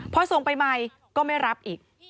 พอส่งไปใหม่ก็ไม่รับอีก